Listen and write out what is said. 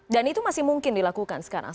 dan itu masih mungkin dilakukan sekarang